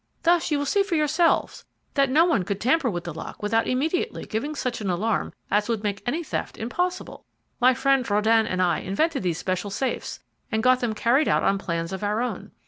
Thus you will see for yourselves that no one could tamper with the lock without immediately giving such an alarm as would make any theft impossible. My friend Röden and I invented these special safes, and got them carried out on plans of our own.